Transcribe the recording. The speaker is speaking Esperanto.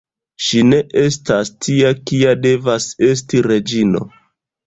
Ŝi ne estas tia, kia devas esti reĝino.